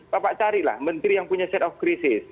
bapak carilah menteri yang punya sense of crisis